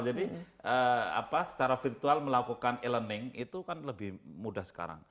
jadi secara virtual melakukan e learning itu kan lebih mudah sekarang